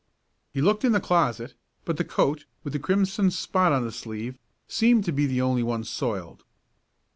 He looked in the closet, but the coat, with the crimson spot on the sleeve, seemed to be the only one soiled.